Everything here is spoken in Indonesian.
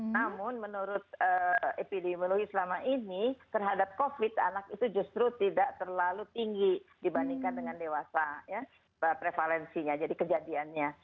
namun menurut epidemiologi selama ini terhadap covid anak itu justru tidak terlalu tinggi dibandingkan dengan dewasa ya prevalensinya jadi kejadiannya